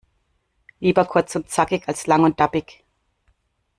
Lieber kurz und zackig, als lang und tappig..